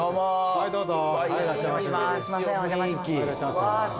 はいどうぞ。